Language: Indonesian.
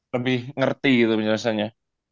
lebih ngerti gitu rasanya